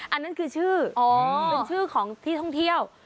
อันนั้นคือชื่อเป็นชื่อของที่ท่องเที่ยว